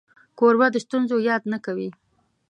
کوربه د ستونزو یاد نه کوي.